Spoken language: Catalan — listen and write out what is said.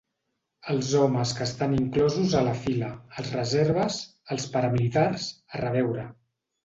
Els homes que estan inclosos a la fila, els reserves, els paramilitars, arreveure.